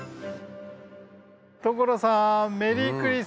所さん。